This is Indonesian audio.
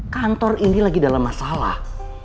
kantor ini lagi dalam masalah